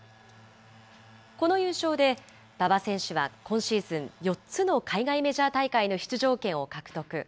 この優勝で、馬場選手は今シーズン、４つの海外メジャー大会の出場権を獲得。